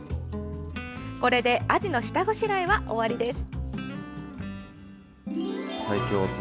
これでアジの下ごしらえは終わりです。